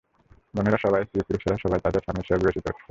বোনেরা সবাই স্ত্রী এবং পুরুষেরা সবাই তাদের স্বামী হিসেবে বিবেচিত হচ্ছে।